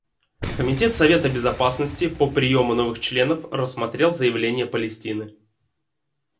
Комитет Совета Безопасности по приему новых членов рассмотрел заявление Палестины.